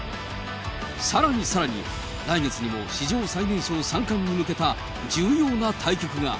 さらにさらに、来月にも史上最年少三冠に向けた重要な対局が。